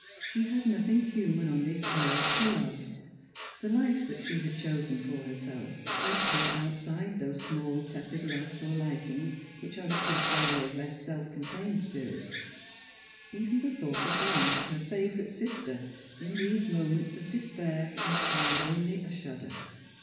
She had nothing human on this earth to love ; the life that she had chosen for herself left her outside those small tepid loves or Likings which are i\iQ pis aller of less self contained spirits. Even the thought of Blanche, her favourite sister, in these moments of despair, inspired only a shudder.